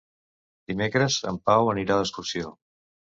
Dimecres en Pau anirà d'excursió.